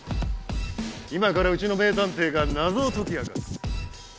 今からうちの名探偵が謎を解き明かす。